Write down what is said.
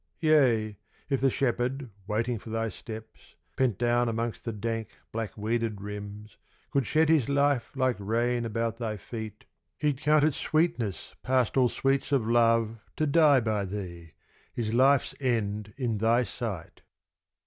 Yea, if the Shepherd waiting for thy steps, Pent down amongst the dank black weeded rims, Could shed his life like rain about thy feet, He'd count it sweetness past all sweets of love To die by thee his life's end in thy sight.